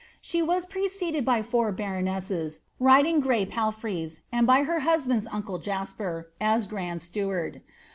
She was precednl by four baronesses, riding grey palfreys, and by her hnsband^s uncle Jasper, as grand steward.